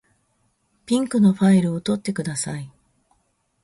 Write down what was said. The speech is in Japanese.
ピンクのファイルを取ってください。